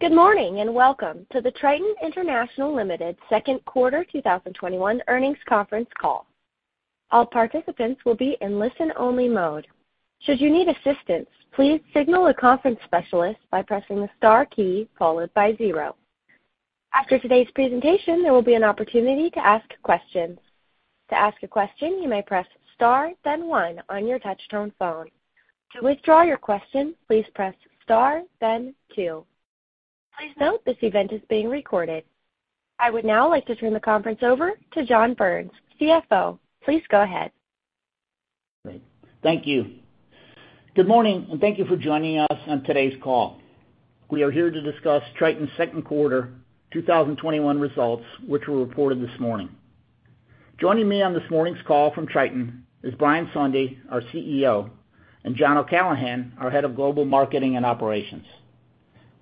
Good morning, and welcome to the Triton International Limited second quarter 2021 earnings conference call. All participants will be in listen-only mode. Should you need assistance, please signal a conference specialist by pressing the star key followed by zero. After today's presentation, there will be an opportunity to ask questions. To ask a question, you may press star then one on your touch-tone phone. To withdraw your question, please press star then two. Please note this event is being recorded. I would now like to turn the conference over to John Burns, CFO. Please go ahead. Great. Thank you. Good morning, thank you for joining us on today's call. We are here to discuss Triton's Q2 2021 results, which were reported this morning. Joining me on this morning's call from Triton is Brian Sondey, our CEO, and John O'Callaghan, our head of global marketing and operations.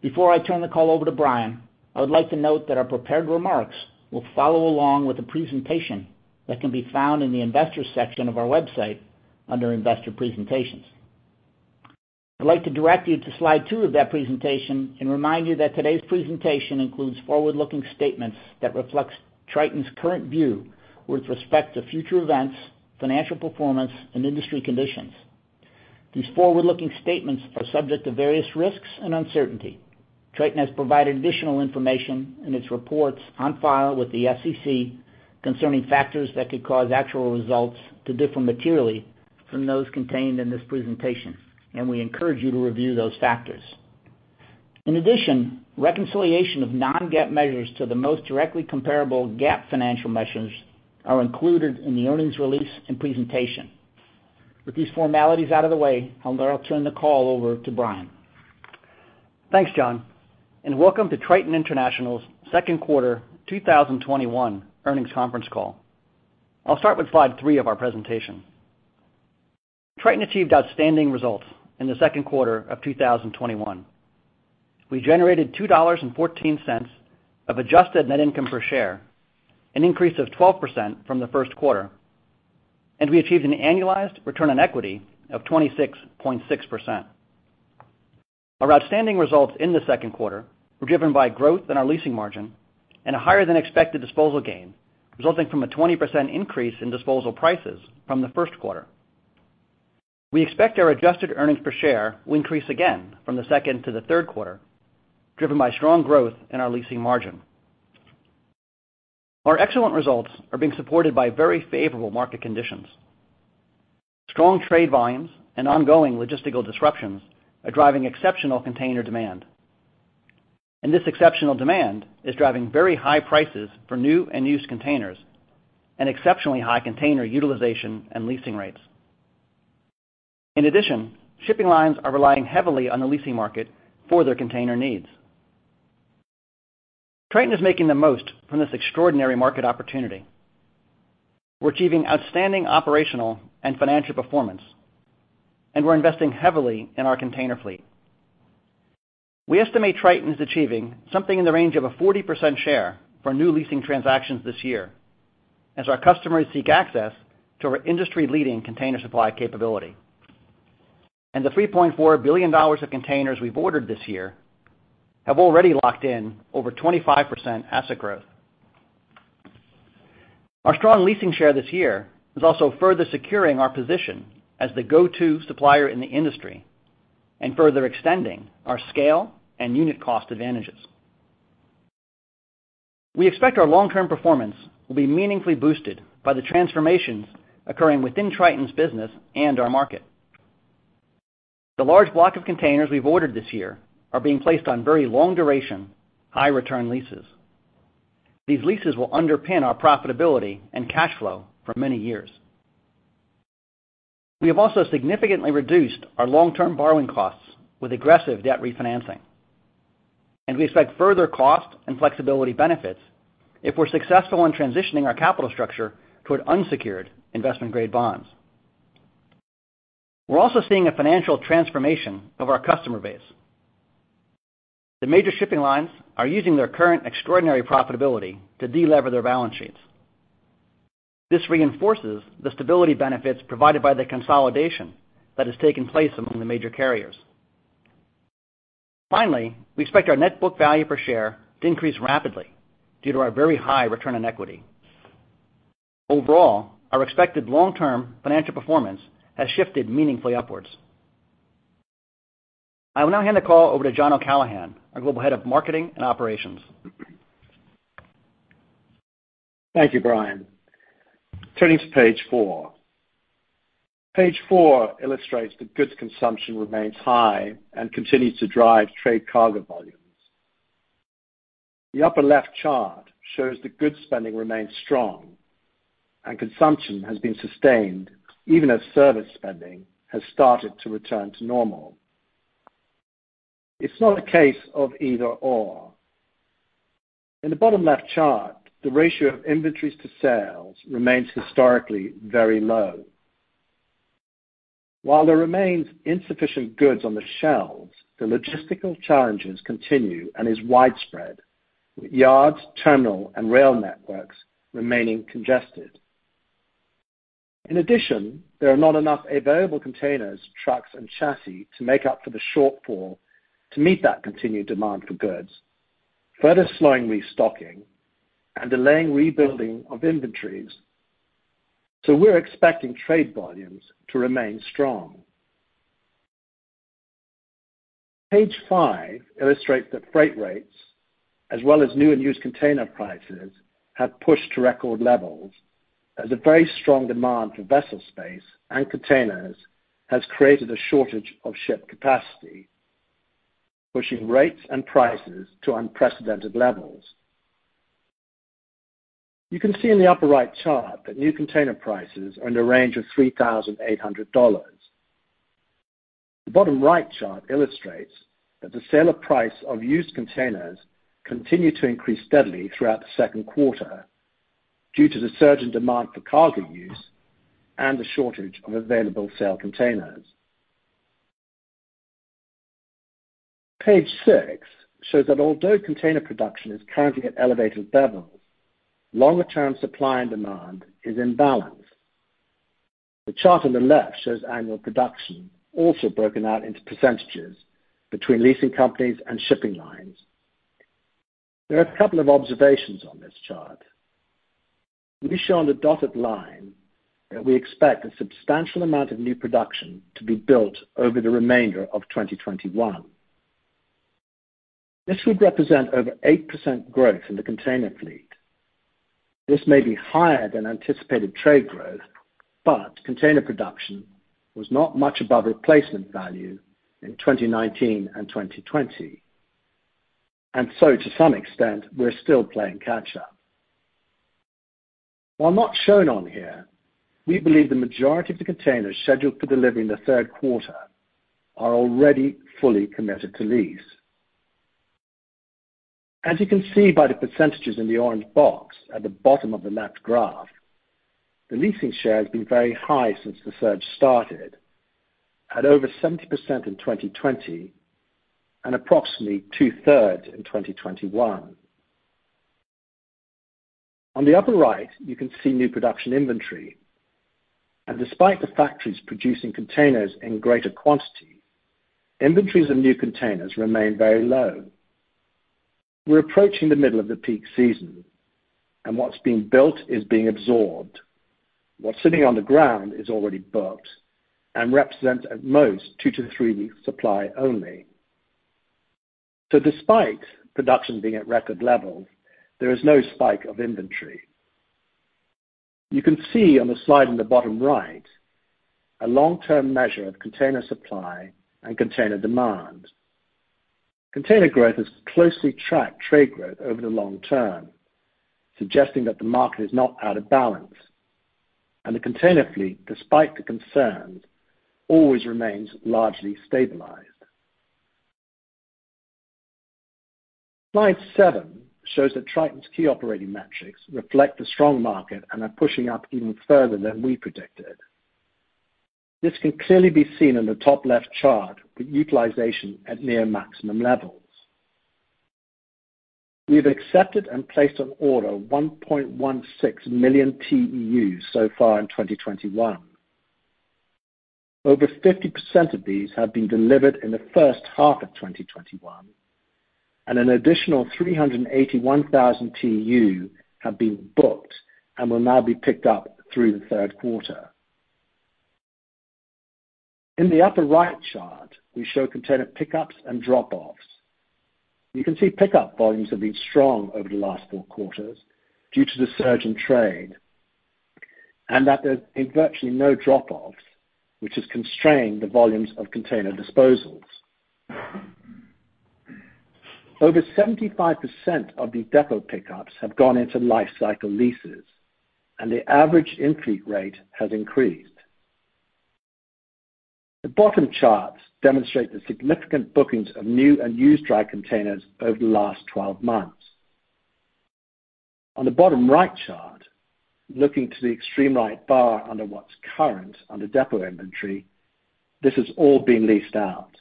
Before I turn the call over to Brian, I would like to note that our prepared remarks will follow along with the presentation that can be found in the Investors section of our website under Investor Presentations. I'd like to direct you to slide two of that presentation and remind you that today's presentation includes forward-looking statements that reflects Triton's current view with respect to future events, financial performance, and industry conditions. These forward-looking statements are subject to various risks and uncertainty. Triton has provided additional information in its reports on file with the SEC concerning factors that could cause actual results to differ materially from those contained in this presentation, and we encourage you to review those factors. In addition, reconciliation of non-GAAP measures to the most directly comparable GAAP financial measures are included in the earnings release and presentation. With these formalities out of the way, I'll now turn the call over to Brian. Thanks, John, and welcome to Triton International's second quarter 2021 earnings conference call. I'll start with slide three of our presentation. Triton achieved outstanding results in the second quarter of 2021. We generated $2.14 of adjusted net income per share, an increase of 12% from the first quarter. We achieved an annualized return on equity of 26.6%. Our outstanding results in the second quarter were driven by growth in our leasing margin and a higher than expected disposal gain, resulting from a 20% increase in disposal prices from the first quarter. We expect our adjusted earnings per share will increase again from the second to the third quarter, driven by strong growth in our leasing margin. Our excellent results are being supported by very favorable market conditions. Strong trade volumes and ongoing logistical disruptions are driving exceptional container demand. This exceptional demand is driving very high prices for new and used containers and exceptionally high container utilization and leasing rates. In addition, shipping lines are relying heavily on the leasing market for their container needs. Triton is making the most from this extraordinary market opportunity. We're achieving outstanding operational and financial performance, and we're investing heavily in our container fleet. We estimate Triton is achieving something in the range of a 40% share for new leasing transactions this year as our customers seek access to our industry-leading container supply capability. The $3.4 billion of containers we've ordered this year have already locked in over 25% asset growth. Our strong leasing share this year is also further securing our position as the go-to supplier in the industry and further extending our scale and unit cost advantages. We expect our long-term performance will be meaningfully boosted by the transformations occurring within Triton's business and our market. The large block of containers we've ordered this year are being placed on very long-duration, high-return leases. These leases will underpin our profitability and cash flow for many years. We have also significantly reduced our long-term borrowing costs with aggressive debt refinancing, and we expect further cost and flexibility benefits if we're successful in transitioning our capital structure toward unsecured investment-grade bonds. We're also seeing a financial transformation of our customer base. The major shipping lines are using their current extraordinary profitability to delever their balance sheets. This reinforces the stability benefits provided by the consolidation that has taken place among the major carriers. Finally, we expect our net book value per share to increase rapidly due to our very high return on equity. Overall, our expected long-term financial performance has shifted meaningfully upwards. I will now hand the call over to John O'Callaghan, our Global Head of Marketing and Operations. Thank you, Brian. Turning to page four. Page four illustrates that goods consumption remains high and continues to drive trade cargo volumes. The upper left chart shows that goods spending remains strong and consumption has been sustained even as service spending has started to return to normal. It's not a case of either/or. In the bottom left chart, the ratio of inventories to sales remains historically very low. While there remains insufficient goods on the shelves, the logistical challenges continue and is widespread, with yards, terminal, and rail networks remaining congested. In addition, there are not enough available containers, trucks, and chassis to make up for the shortfall to meet that continued demand for goods, further slowing restocking and delaying rebuilding of inventories. We're expecting trade volumes to remain strong. Page five illustrates that freight rates, as well as new and used container prices, have pushed to record levels as a very strong demand for vessel space and containers has created a shortage of ship capacity, pushing rates and prices to unprecedented levels. You can see in the upper right chart that new container prices are in the range of $3,800. The bottom right chart illustrates that the sale price of used containers continued to increase steadily throughout Q2 2021 due to the surge in demand for cargo use and the shortage of available sale containers. Page six shows that although container production is currently at elevated levels, longer-term supply and demand is in balance. The chart on the left shows annual production also broken out into percentages between leasing companies and shipping lines. There are a couple of observations on this chart. We show on the dotted line that we expect a substantial amount of new production to be built over the remainder of 2021. This would represent over 8% growth in the container fleet. This may be higher than anticipated trade growth, but container production was not much above replacement value in 2019 and 2020. To some extent, we're still playing catch up. While not shown on here, we believe the majority of the containers scheduled for delivery in the third quarter are already fully committed to lease. As you can see by the percentages in the orange box at the bottom of the left graph, the leasing share has been very high since the surge started, at over 70% in 2020 and approximately two-thirds in 2021. On the upper right, you can see new production inventory, despite the factories producing containers in greater quantity, inventories of new containers remain very low. We're approaching the middle of the peak season, what's being built is being absorbed. What's sitting on the ground is already booked and represents at most two to three weeks supply only. Despite production being at record levels, there is no spike of inventory. You can see on the slide in the bottom right a long-term measure of container supply and container demand. Container growth has closely tracked trade growth over the long term, suggesting that the market is not out of balance. The container fleet, despite the concerns, always remains largely stabilized. Slide seven shows that Triton's key operating metrics reflect the strong market and are pushing up even further than we predicted. This can clearly be seen in the top left chart with utilization at near maximum levels. We have accepted and placed an order of 1.16 million TEUs so far in 2021. Over 50% of these have been delivered in the first half of 2021. An additional 381,000 TEU have been booked and will now be picked up through the third quarter. In the upper right chart, we show container pickups and drop-offs. You can see pickup volumes have been strong over the last four quarters due to the surge in trade. There's been virtually no drop-offs, which has constrained the volumes of container disposals. Over 75% of the depot pickups have gone into life cycle leases. The average in-fleet rate has increased. The bottom charts demonstrate the significant bookings of new and used dry containers over the last 12 months. On the bottom right chart, looking to the extreme right bar under what's current under depot inventory, this has all been leased out.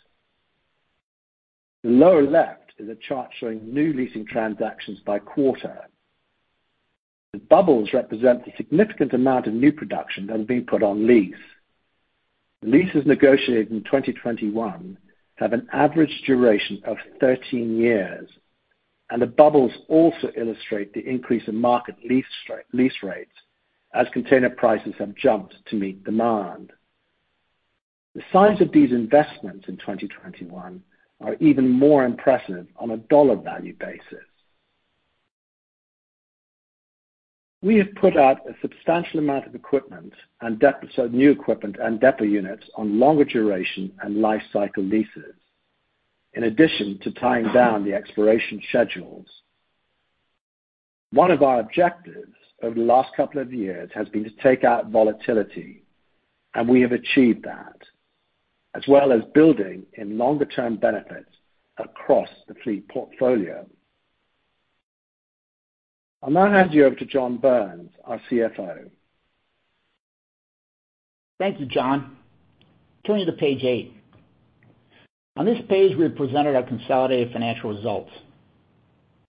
The lower left is a chart showing new leasing transactions by quarter. The bubbles represent the significant amount of new production that will be put on lease. The leases negotiated in 2021 have an average duration of 13 years, and the bubbles also illustrate the increase in market lease rates as container prices have jumped to meet demand. The size of these investments in 2021 are even more impressive on a dollar value basis. We have put out a substantial amount of new equipment and depot units on longer duration and life cycle leases in addition to tying down the expiration schedules. One of our objectives over the last couple of years has been to take out volatility, and we have achieved that, as well as building in longer-term benefits across the fleet portfolio. I'll now hand you over to John Burns, our CFO. Thank you, John. Turning to page eight. On this page, we have presented our consolidated financial results.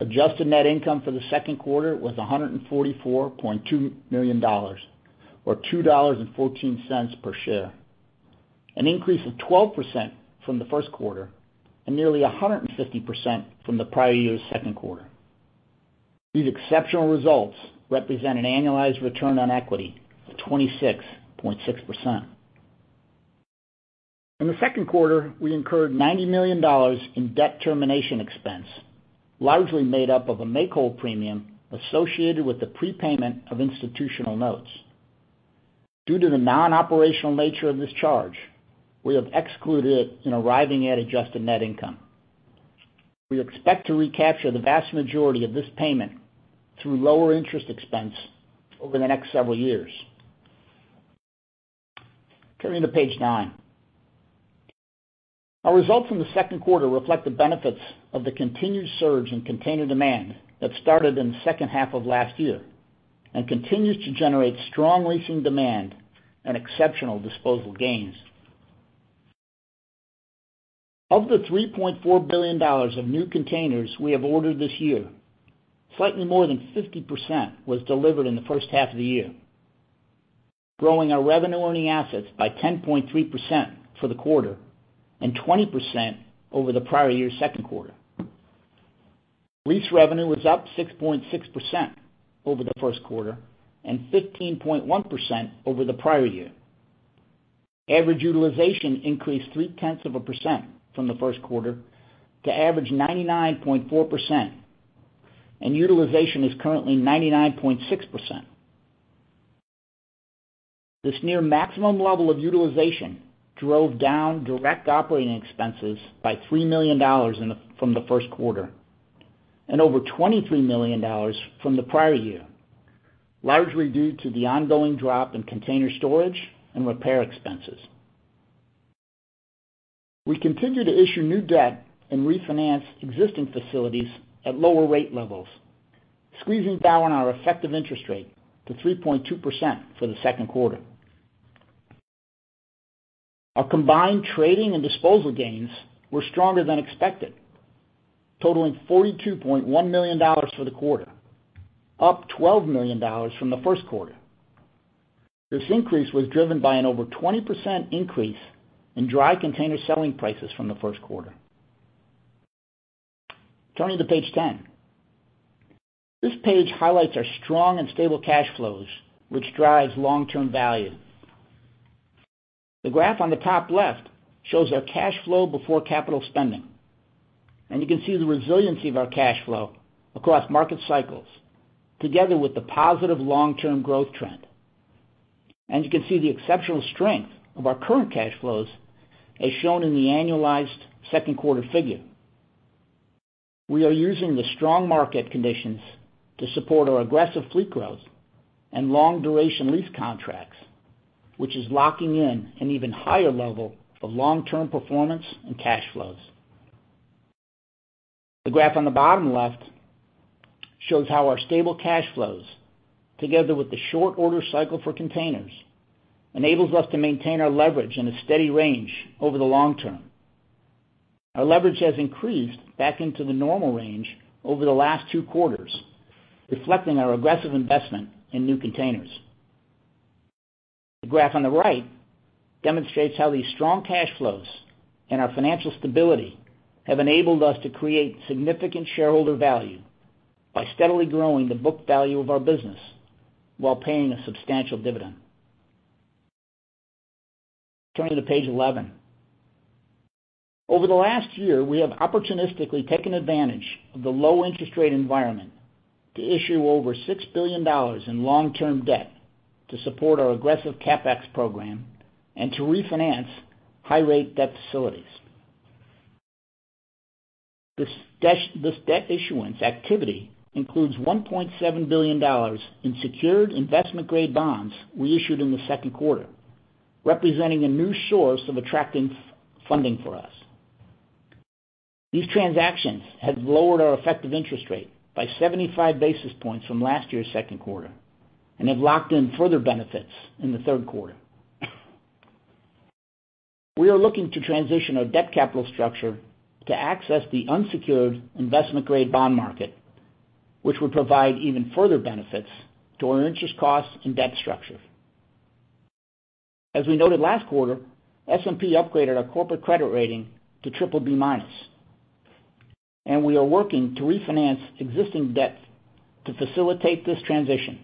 Adjusted net income for the second quarter was $144.2 million, or $2.14 per share, an increase of 12% from the first quarter and nearly 150% from the prior year's second quarter. These exceptional results represent an annualized return on equity of 26.6%. In the second quarter, we incurred $90 million in debt termination expense, largely made up of a make-whole premium associated with the prepayment of institutional notes. Due to the non-operational nature of this charge, we have excluded it in arriving at adjusted net income. We expect to recapture the vast majority of this payment through lower interest expense over the next several years. Turning to page nine. Our results from the second quarter reflect the benefits of the continued surge in container demand that started in the second half of last year and continues to generate strong leasing demand and exceptional disposal gains. Of the $3.4 billion of new containers we have ordered this year, slightly more than 50% was delivered in the first half of the year, growing our revenue-earning assets by 10.3% for the quarter and 20% over the prior year's second quarter. Lease revenue was up 6.6% over the first quarter and 15.1% over the prior year. Average utilization increased 0.3% from the first quarter to average 99.4%, and utilization is currently 99.6%. This near maximum level of utilization drove down direct operating expenses by $3 million from the first quarter, and over $23 million from the prior year, largely due to the ongoing drop in container storage and repair expenses. We continue to issue new debt and refinance existing facilities at lower rate levels, squeezing down our effective interest rate to 3.2% for the second quarter. Our combined trading and disposal gains were stronger than expected, totaling $42.1 million for the quarter, up $12 million from the first quarter. This increase was driven by an over 20% increase in dry container selling prices from the first quarter. Turning to page 10. This page highlights our strong and stable cash flows, which drives long-term value. The graph on the top left shows our cash flow before capital spending, and you can see the resiliency of our cash flow across market cycles, together with the positive long-term growth trend. You can see the exceptional strength of our current cash flows as shown in the annualized second quarter figure. We are using the strong market conditions to support our aggressive fleet growth and long-duration lease contracts, which is locking in an even higher level of long-term performance and cash flows. The graph on the bottom left shows how our stable cash flows, together with the short order cycle for containers, enables us to maintain our leverage in a steady range over the long term. Our leverage has increased back into the normal range over the last two quarters, reflecting our aggressive investment in new containers. The graph on the right demonstrates how these strong cash flows and our financial stability have enabled us to create significant shareholder value by steadily growing the book value of our business while paying a substantial dividend. Turning to page 11. Over the last year, we have opportunistically taken advantage of the low interest rate environment to issue over $6 billion in long-term debt to support our aggressive CapEx program and to refinance high-rate debt facilities. This debt issuance activity includes $1.7 billion in secured investment-grade bonds we issued in the second quarter, representing a new source of attracting funding for us. These transactions have lowered our effective interest rate by 75 basis points from last year's second quarter and have locked in further benefits in the third quarter. We are looking to transition our debt capital structure to access the unsecured investment-grade bond market, which would provide even further benefits to our interest costs and debt structure. As we noted last quarter, S&P upgraded our corporate credit rating to BBB-, and we are working to refinance existing debt to facilitate this transition.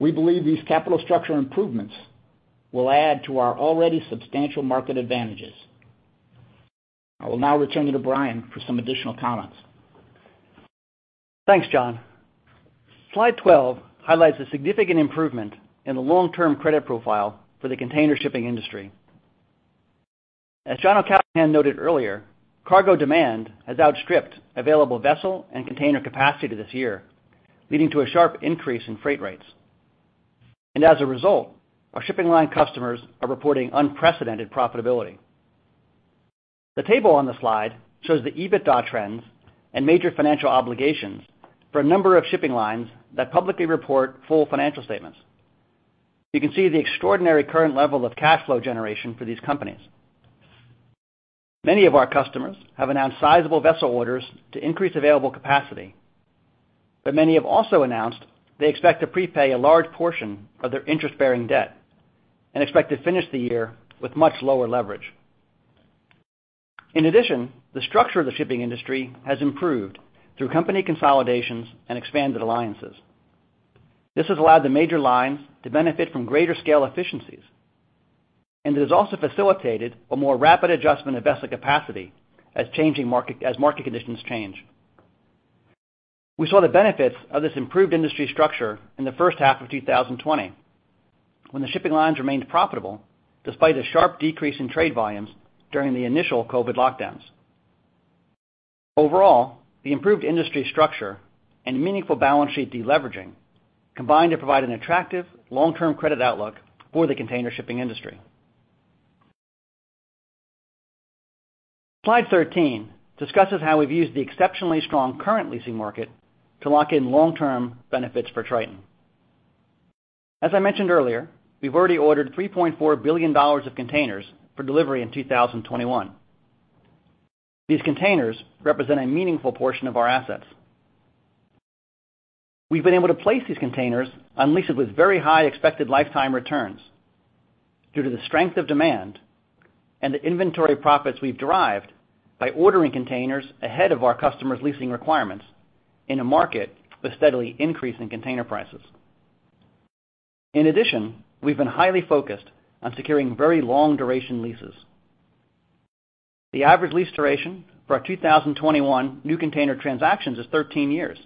We believe these capital structure improvements will add to our already substantial market advantages. I will now return you to Brian for some additional comments. Thanks, John. Slide 12 highlights a significant improvement in the long-term credit profile for the container shipping industry. As John O'Callaghan noted earlier, cargo demand has outstripped available vessel and container capacity this year, leading to a sharp increase in freight rates. As a result, our shipping line customers are reporting unprecedented profitability. The table on the slide shows the EBITDA trends and major financial obligations for a number of shipping lines that publicly report full financial statements. You can see the extraordinary current level of cash flow generation for these companies. Many of our customers have announced sizable vessel orders to increase available capacity. Many have also announced they expect to prepay a large portion of their interest-bearing debt and expect to finish the year with much lower leverage. In addition, the structure of the shipping industry has improved through company consolidations and expanded alliances. This has allowed the major lines to benefit from greater scale efficiencies, and it has also facilitated a more rapid adjustment of vessel capacity as market conditions change. We saw the benefits of this improved industry structure in the first half of 2020, when the shipping lines remained profitable despite a sharp decrease in trade volumes during the initial COVID lockdowns. Overall, the improved industry structure and meaningful balance sheet deleveraging combine to provide an attractive long-term credit outlook for the container shipping industry. Slide 13 discusses how we've used the exceptionally strong current leasing market to lock in long-term benefits for Triton. As I mentioned earlier, we've already ordered $3.4 billion of containers for delivery in 2021. These containers represent a meaningful portion of our assets. We've been able to place these containers on leases with very high expected lifetime returns due to the strength of demand and the inventory profits we've derived by ordering containers ahead of our customers' leasing requirements in a market with steadily increasing container prices. In addition, we've been highly focused on securing very long-duration leases. The average lease duration for our 2021 new container transactions is 13 years,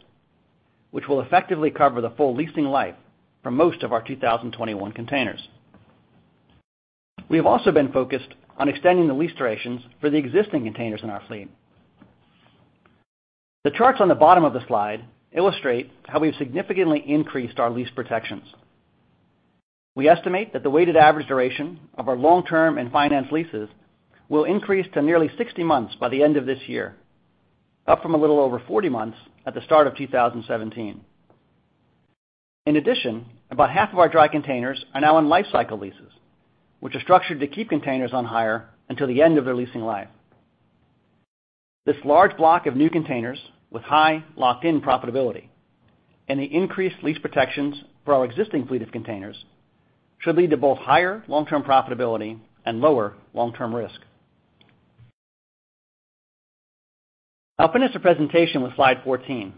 which will effectively cover the full leasing life for most of our 2021 containers. We have also been focused on extending the lease durations for the existing containers in our fleet. The charts on the bottom of the slide illustrate how we've significantly increased our lease protections. We estimate that the weighted average duration of our long-term and finance leases will increase to nearly 60 months by the end of this year, up from a little over 40 months at the start of 2017. In addition, about half of our dry containers are now on life cycle leases, which are structured to keep containers on hire until the end of their leasing life. This large block of new containers with high locked-in profitability and the increased lease protections for our existing fleet of containers should lead to both higher long-term profitability and lower long-term risk. I'll finish the presentation with slide 14.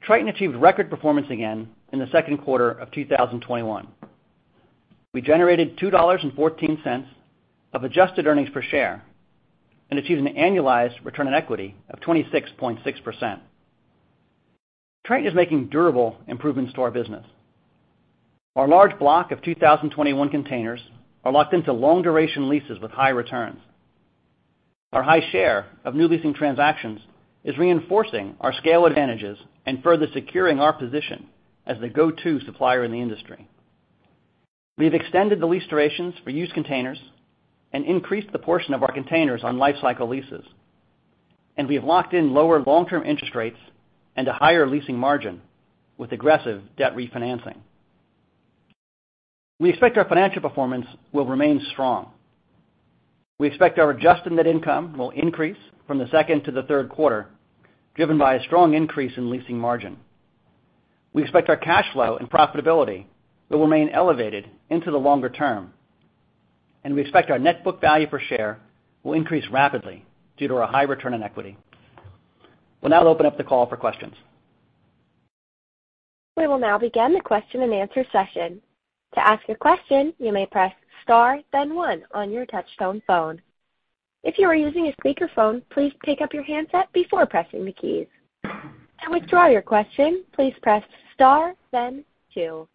Triton achieved record performance again in the second quarter of 2021. We generated $2.14 of adjusted earnings per share and achieved an annualized return on equity of 26.6%. Triton is making durable improvements to our business. Our large block of 2021 containers are locked into long-duration leases with high returns. Our high share of new leasing transactions is reinforcing our scale advantages and further securing our position as the go-to supplier in the industry. We have extended the lease durations for used containers and increased the portion of our containers on life cycle leases, and we have locked in lower long-term interest rates and a higher leasing margin with aggressive debt refinancing. We expect our financial performance will remain strong. We expect our adjusted net income will increase from the second to the third quarter, driven by a strong increase in leasing margin. We expect our cash flow and profitability will remain elevated into the longer term, and we expect our net book value per share will increase rapidly due to our high return on equity. We'll now open up the call for questions. We will now begin the question and answer session. To ask a question, you may press star then one on your touch-tone phone. If you are using a speakerphone, please pick up your handset before pressing the keys. To withdraw your question, please press star then two.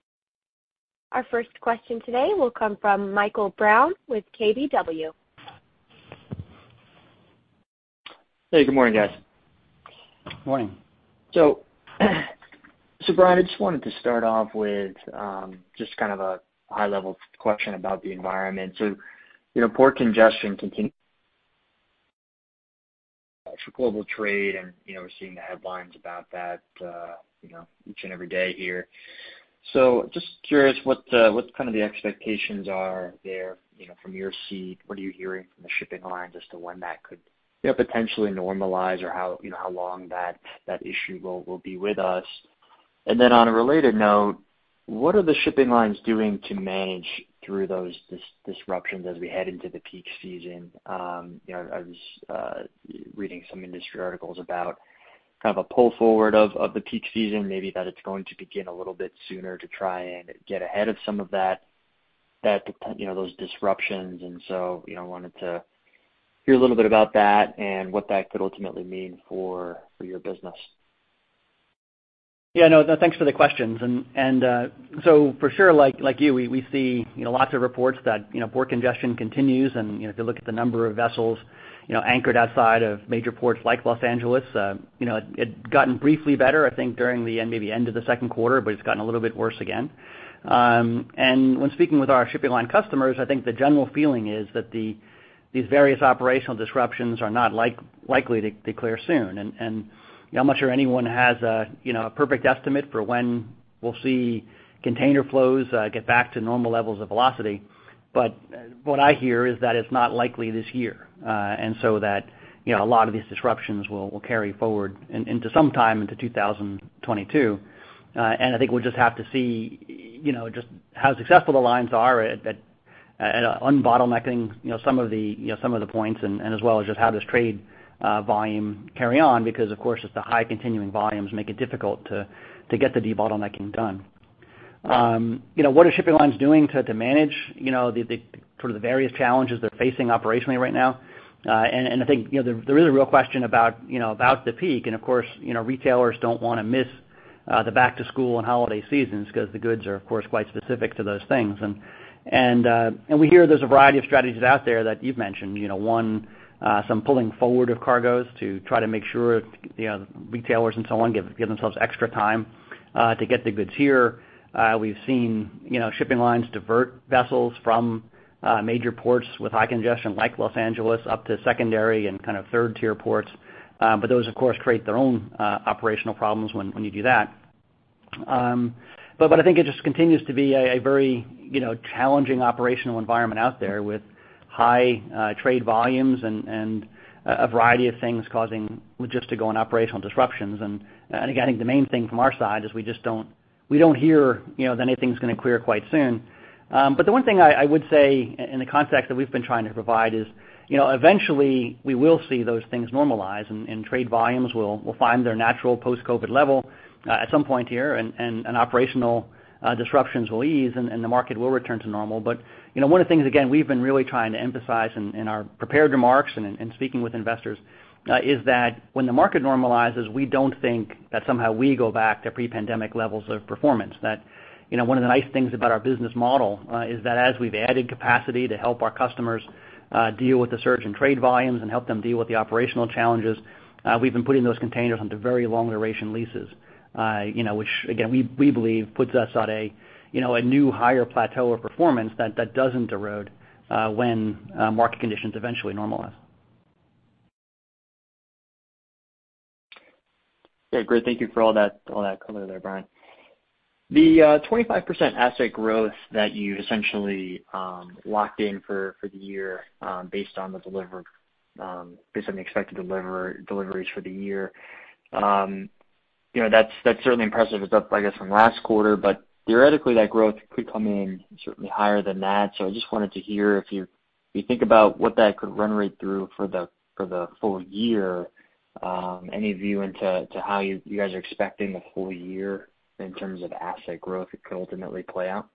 Our first question today will come from Michael Brown with KBW. Hey, good morning, guys. Morning. Brian, I just wanted to start off with just kind of a high-level question about the environment. Port congestion continue for global trade, and we're seeing the headlines about that each and every day here. Just curious what the expectations are there from your seat. What are you hearing from the shipping lines as to when that could potentially normalize, or how long that issue will be with us? On a related note, what are the shipping lines doing to manage through those disruptions as we head into the peak season? I was reading some industry articles about kind of a pull forward of the peak season, maybe that it's going to begin a little bit sooner to try and get ahead of some of those disruptions. I wanted to hear a little bit about that and what that could ultimately mean for your business. Yeah, no, thanks for the questions. For sure, like you, we see lots of reports that port congestion continues, and if you look at the number of vessels anchored outside of major ports like Los Angeles, it had gotten briefly better, I think, during maybe the end of the second quarter, but it's gotten a little bit worse again. When speaking with our shipping line customers, I think the general feeling is that these various operational disruptions are not likely to clear soon. I'm not sure anyone has a perfect estimate for when we'll see container flows get back to normal levels of velocity, but what I hear is that it's not likely this year. That a lot of these disruptions will carry forward into sometime into 2022. I think we'll just have to see just how successful the lines are at un-bottlenecking some of the points and as well as just how this trade volume carry on because, of course, just the high continuing volumes make it difficult to get the debottlenecking done. What are shipping lines doing to manage the sort of various challenges they're facing operationally right now? I think there is a real question about the peak, and of course, retailers don't want to miss the back-to-school and holiday seasons because the goods are, of course, quite specific to those things. We hear there's a variety of strategies out there that you've mentioned. One, some pulling forward of cargoes to try to make sure retailers and so on give themselves extra time to get the goods here. We've seen shipping lines divert vessels from major ports with high congestion like Los Angeles up to secondary and kind of third-tier ports. Those, of course, create their own operational problems when you do that. I think it just continues to be a very challenging operational environment out there with high trade volumes and a variety of things causing logistic-owned operational disruptions. Again, I think the main thing from our side is we don't hear that anything's going to clear quite soon. The one thing I would say in the context that we've been trying to provide is eventually we will see those things normalize and trade volumes will find their natural post-COVID level at some point here, and operational disruptions will ease, and the market will return to normal. One of the things, again, we've been really trying to emphasize in our prepared remarks and in speaking with investors is that when the market normalizes, we don't think that somehow we go back to pre-pandemic levels of performance. One of the nice things about our business model is that as we've added capacity to help our customers deal with the surge in trade volumes and help them deal with the operational challenges, we've been putting those containers onto very long-duration leases which again, we believe puts us at a new higher plateau of performance that doesn't erode when market conditions eventually normalize. Yeah, great. Thank you for all that color there, Brian. The 25% asset growth that you essentially locked in for the year based on the expected deliveries for the year, that's certainly impressive. It's up, I guess, from last quarter. Theoretically, that growth could come in certainly higher than that. I just wanted to hear if you think about what that could run rate through for the full year. Any view into how you guys are expecting the full year in terms of asset growth it could ultimately play out?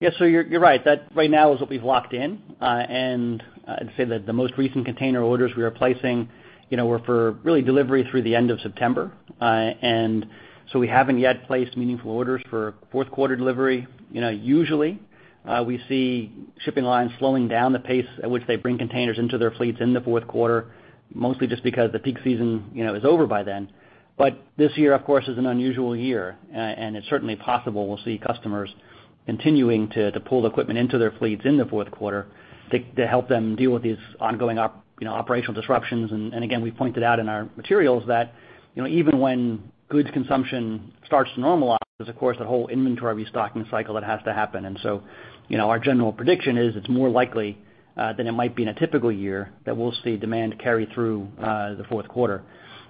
Yeah, you're right. That right now is what we've locked in. I'd say that the most recent container orders we are placing were for really delivery through the end of September. We haven't yet placed meaningful orders for fourth quarter delivery. Usually, we see shipping lines slowing down the pace at which they bring containers into their fleets in the fourth quarter, mostly just because the peak season is over by then. This year, of course, is an unusual year. It's certainly possible we'll see customers continuing to pull equipment into their fleets in the fourth quarter to help them deal with these ongoing operational disruptions. Again, we pointed out in our materials that even when goods consumption starts to normalize, there's, of course, a whole inventory restocking cycle that has to happen. Our general prediction is it's more likely than it might be in a typical year that we'll see demand carry through the fourth quarter.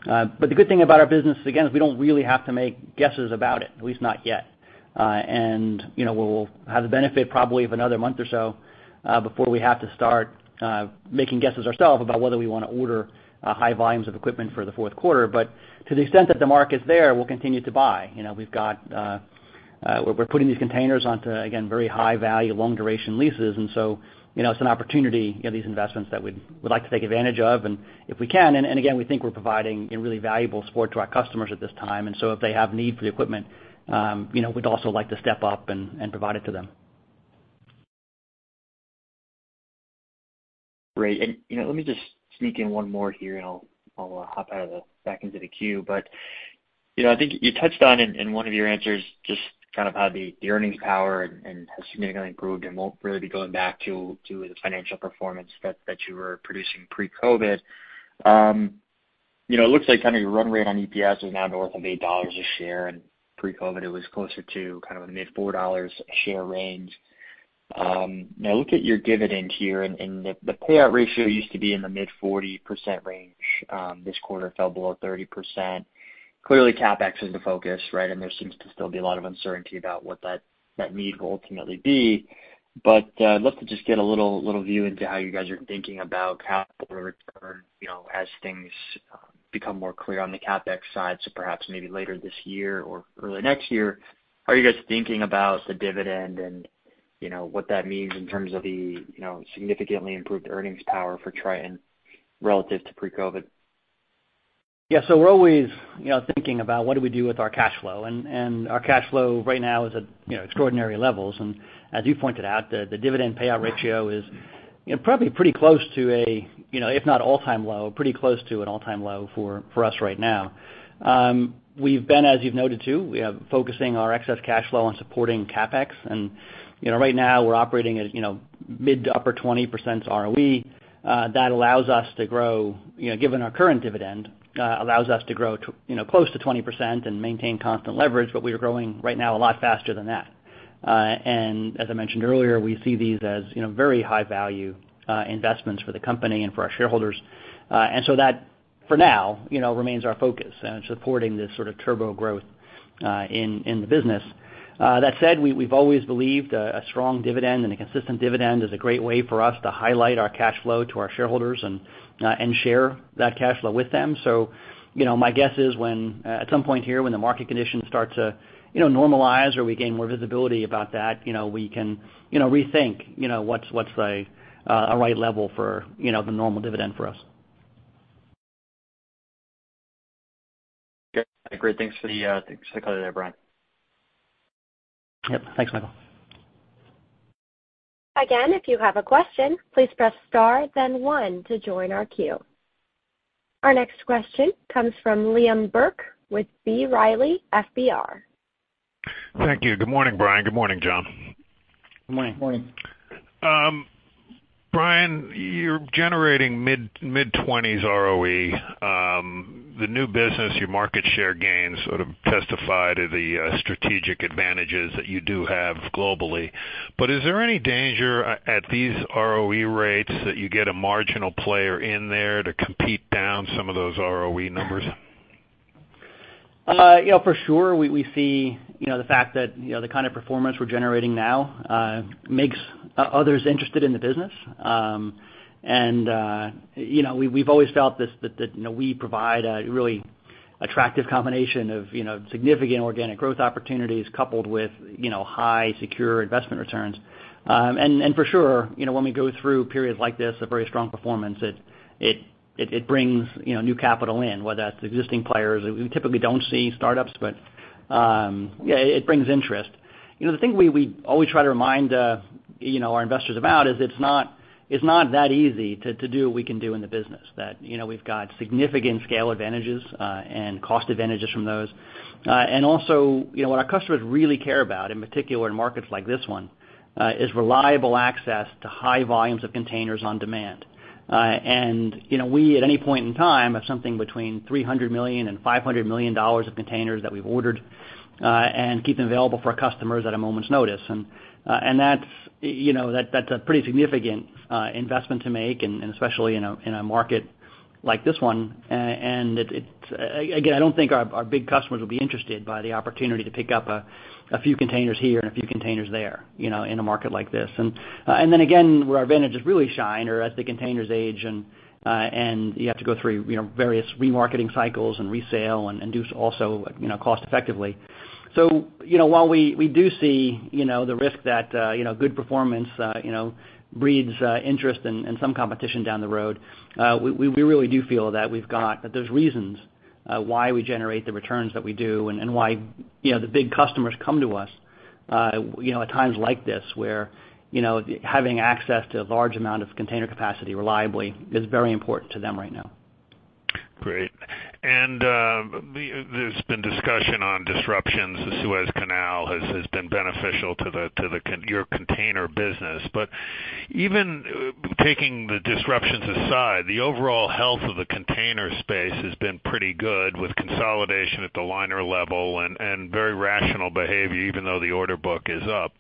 The good thing about our business, again, is we don't really have to make guesses about it, at least not yet. We'll have the benefit probably of another month or so before we have to start making guesses ourselves about whether we want to order high volumes of equipment for the fourth quarter. To the extent that the market's there, we'll continue to buy. We're putting these containers onto, again, very high-value, long-duration leases. It's an opportunity, these investments that we'd like to take advantage of. If we can, again, we think we're providing a really valuable support to our customers at this time. So if they have need for the equipment, we'd also like to step up and provide it to them. Great. Let me just sneak in one more here and I'll hop back into the queue. I think you touched on in one of your answers just kind of how the earnings power has significantly improved and won't really be going back to the financial performance that you were producing pre-COVID. It looks like kind of your run rate on EPS is now north of $8 a share, and pre-COVID it was closer to kind of the mid $4 a share range. Now look at your dividend here, and the payout ratio used to be in the mid 40% range. This quarter it fell below 30%. Clearly, CapEx is the focus, right? There seems to still be a lot of uncertainty about what that need will ultimately be. I'd love to just get a little view into how you guys are thinking about capital return as things become more clear on the CapEx side. Perhaps maybe later this year or early next year, how are you guys thinking about the dividend and you know what that means in terms of the significantly improved earnings power for Triton relative to pre-COVID. Yes. We're always thinking about what do we do with our cash flow, and our cash flow right now is at extraordinary levels. As you pointed out, the dividend payout ratio is probably pretty close to, if not all-time low, pretty close to an all-time low for us right now. We've been, as you've noted too, we have focusing our excess cash flow on supporting CapEx, and right now we're operating at mid to upper 20% ROE. That allows us to grow, given our current dividend, allows us to grow close to 20% and maintain constant leverage. We are growing right now a lot faster than that. As I mentioned earlier, we see these as very high-value investments for the company and for our shareholders. That, for now, remains our focus in supporting this sort of turbo growth in the business. That said, we've always believed a strong dividend and a consistent dividend is a great way for us to highlight our cash flow to our shareholders and share that cash flow with them. My guess is when at some point here, when the market conditions start to normalize or we gain more visibility about that, we can rethink what's a right level for the normal dividend for us. Okay, great. Thanks for the color there, Brian. Yep. Thanks, Michael. Again, if you have a question, please press star then one to join our queue. Our next question comes from Liam Burke with B. Riley FBR. Thank you. Good morning, Brian. Good morning, John. Good morning. Morning. Brian, you're generating mid-20s ROE. The new business, your market share gains sort of testify to the strategic advantages that you do have globally. Is there any danger at these ROE rates that you get a marginal player in there to compete down some of those ROE numbers? For sure. We see the fact that the kind of performance we're generating now makes others interested in the business. We've always felt that we provide a really attractive combination of significant organic growth opportunities coupled with high secure investment returns. For sure, when we go through periods like this, a very strong performance, it brings new capital in, whether that's existing players. We typically don't see startups, but it brings interest. The thing we always try to remind our investors about is it's not that easy to do what we can do in the business, that we've got significant scale advantages, and cost advantages from those. Also what our customers really care about, in particular in markets like this one, is reliable access to high volumes of containers on demand. We, at any point in time, have something between $300 million and $500 million of containers that we've ordered, and keep them available for our customers at a moment's notice. That's a pretty significant investment to make, and especially in a market like this one. Again, I don't think our big customers will be interested by the opportunity to pick up a few containers here and a few containers there in a market like this. Again, where our advantages really shine are as the containers age, and you have to go through various remarketing cycles and resale and do so also cost effectively. While we do see the risk that good performance breeds interest and some competition down the road, we really do feel that there's reasons why we generate the returns that we do and why the big customers come to us, at times like this, where having access to a large amount of container capacity reliably is very important to them right now. Great. There's been discussion on disruptions. The Suez Canal has been beneficial to your container business. Even taking the disruptions aside, the overall health of the container space has been pretty good with consolidation at the liner level and very rational behavior, even though the order book is up.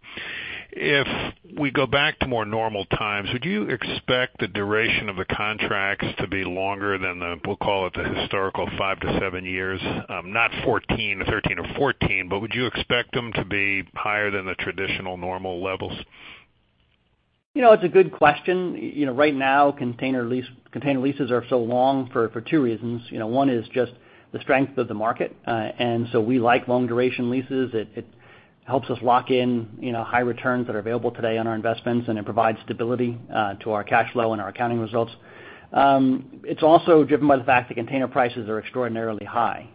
If we go back to more normal times, would you expect the duration of the contracts to be longer than the, we'll call it, the historical five to seven years? Not 14 or 13 or 14, but would you expect them to be higher than the traditional normal levels? It's a good question. Right now, container leases are so long for two reasons. One is just the strength of the market. We like long-duration leases. It helps us lock in high returns that are available today on our investments, and it provides stability to our cash flow and our accounting results. It's also driven by the fact that container prices are extraordinarily high.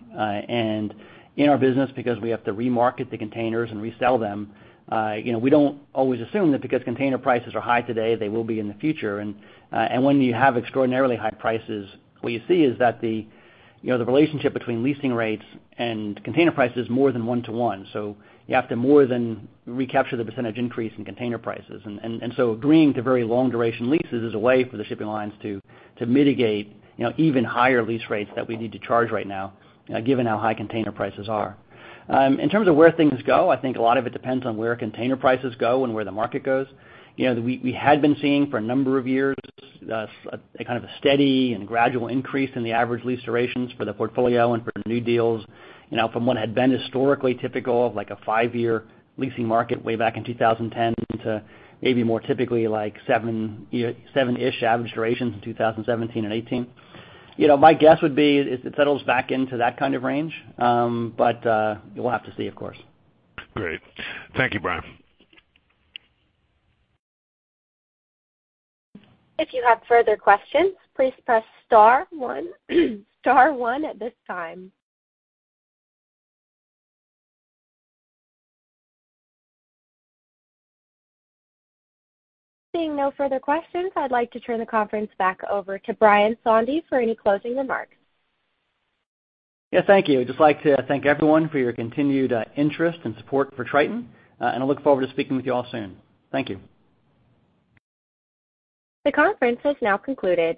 In our business, because we have to remarket the containers and resell them, we don't always assume that because container prices are high today, they will be in the future. When you have extraordinarily high prices, what you see is that the relationship between leasing rates and container price is more than one to one, so you have to more than recapture the percentage increase in container prices. Agreeing to very long-duration leases is a way for the shipping lines to mitigate even higher lease rates that we need to charge right now, given how high container prices are. In terms of where things go, I think a lot of it depends on where container prices go and where the market goes. We had been seeing for a number of years, a kind of a steady and gradual increase in the average lease durations for the portfolio and for new deals from what had been historically typical of like a five-year leasing market way back in 2010 to maybe more typically like seven-ish average durations in 2017 and 2018. My guess would be it settles back into that kind of range. We'll have to see, of course. Great. Thank you, Brian. If you have further questions, please press star one star one at this time. Seeing no further questions, I'd like to turn the conference back over to Brian Sondey for any closing remarks. Yeah, thank you. I'd just like to thank everyone for your continued interest and support for Triton, and I look forward to speaking with you all soon. Thank you. The conference has now concluded.